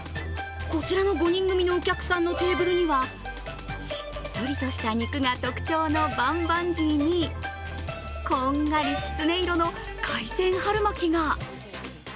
こちらの５人組のお客さんのテーブルにはしっとりとした肉が特徴のバンバンジーにこんがりきつね色の海鮮春巻きが。